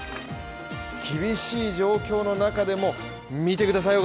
厳しい状況の中でも見てください